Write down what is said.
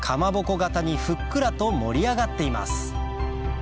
形にふっくらと盛り上がっています